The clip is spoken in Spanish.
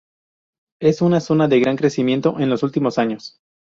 Es una zona de gran crecimiento en los últimos años.